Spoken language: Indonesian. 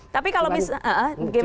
tapi kalau misalnya gimana